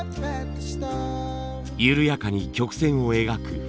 緩やかに曲線を描くフォルム。